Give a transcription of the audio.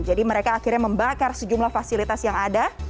jadi mereka akhirnya membakar sejumlah fasilitas yang ada